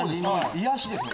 癒やしですね